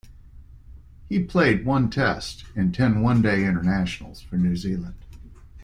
He played one Test and ten One Day Internationals for New Zealand.